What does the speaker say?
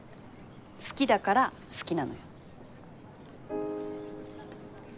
好きだから好きなのよ。